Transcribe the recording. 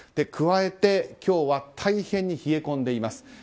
加えて、今日は大変に冷え込んでいます。